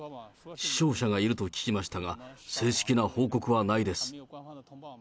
死傷者がいると聞きましたが、正式な報告はないです。